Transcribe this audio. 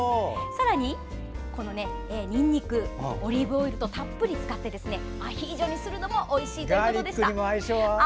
さらに、にんにくオリーブオイルをたっぷり使ったアヒージョにするのもおいしいということでした。